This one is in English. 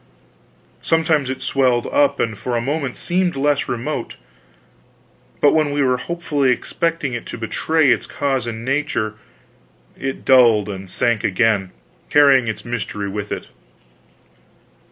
Sometimes it swelled up and for a moment seemed less remote; but when we were hopefully expecting it to betray its cause and nature, it dulled and sank again, carrying its mystery with it.